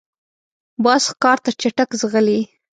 باز ښکار ته چټک ځغلي